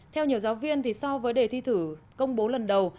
theo nhiều giáo viên thì so với đề thi thử công bố lần đầu